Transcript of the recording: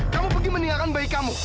kamu pergi meninggalkan bayi kamu